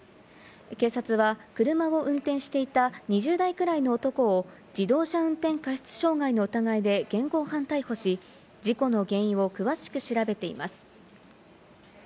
警察は車を運転していた２０代くらいの男を自動車運転過失傷害の疑いで現行犯逮捕し、事故の原因を詳しく調べています。